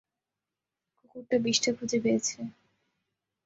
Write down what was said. কুকুরটা বিষ্ঠা খুঁজে পেয়েছে।